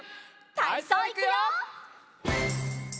たいそういくよ！